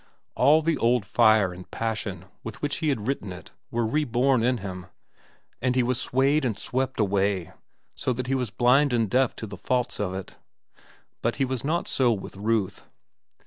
All the old fire and passion with which he had written it were reborn in him, and he was swayed and swept away so that he was blind and deaf to the faults of it. But it was not so with Ruth.